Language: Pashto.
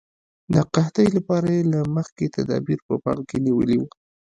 د قحطۍ لپاره یې له مخکې تدابیر په پام کې نیولي وو.